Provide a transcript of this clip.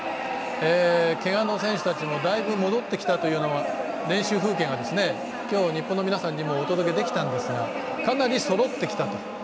けがの選手たちもだいぶ戻ってきたというのは練習風景が今日、日本の皆さんにもお届けできたんですがかなりそろってきたと。